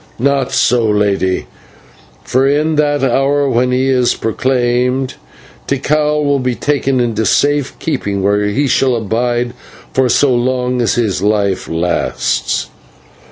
"Not so, lady, for in that hour when he is proclaimed, Tikal will be taken into safe keeping, where he shall abide for so long as his life lasts."